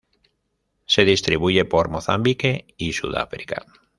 Se distribuye por Mozambique y Sudáfrica.